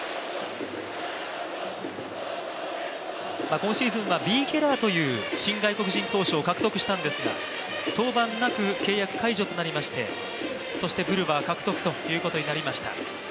今シーズンは新たな外国投手を手に入れたんですが登板なく契約解除となりましてそしてブルワー獲得ということになりました。